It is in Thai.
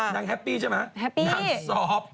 นางแฮปปี้ใช่ไหมนางซอฟต์แฮปปี้